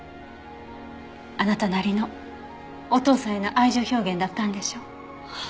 あなたなりのお父さんへの愛情表現だったんでしょ？